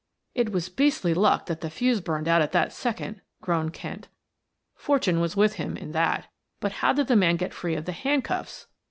"It was beastly luck that the fuse burned out at that second," groaned Kent. "Fortune was with him in that; but how did the man get free of the handcuffs?"